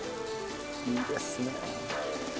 いいですね。